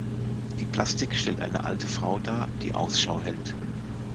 Die Plastik stellt eine alte Frau dar, die Ausschau hält.